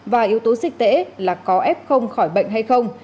và yếu tố dịch tễ là có ép không khỏi bệnh hay không